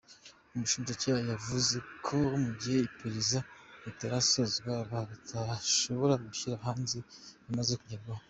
Umushinjacyaha yavuze ko mu gihe iperereza ritarasozwa badashobora gushyira hanze ibimaze kugerwaho.